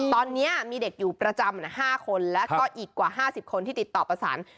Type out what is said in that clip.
ตอนนี้มีเด็กอยู่ประจำ๕คนแล้วก็อีกกว่า๕๐คนที่ติดต่อประสาน